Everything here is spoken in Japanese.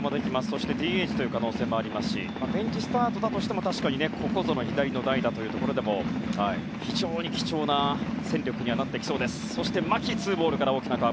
そしてＤＨという可能性もありますしベンチスタートだとしてもここぞの左の代打というところでも非常に貴重な戦力にはなってきそうです。